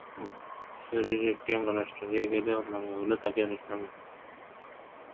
শরীরের একটি অঙ্গ নষ্ট হয়ে গেলে অন্য অঙ্গগুলিও তাকে অনুসরণ করে।